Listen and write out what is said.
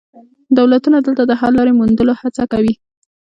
دولتونه دلته د حل لارې موندلو هڅه کوي